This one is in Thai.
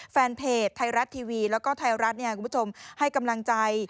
แฟนเพจไทยรัฐทีวีแล้วก็ไทยรัฐคุณผู้ชมให้กำลังใจ